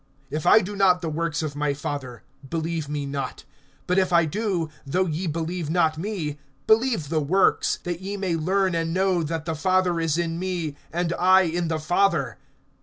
(37)If I do not the works of my Father, believe me not. (38)But if I do, though ye believe not me, believe the works; that ye may learn and know, that the Father is in me, and I in the Father.